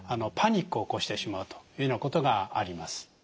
パニックを起こしてしまうというようなことがあります。